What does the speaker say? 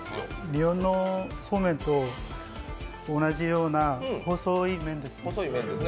日本のそうめんと同じような細い麺です。